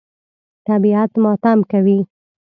طبیعت ماتم کوي.